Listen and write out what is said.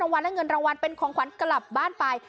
วันและเงินรางวัลเป็นของขวัญกลับบ้านไป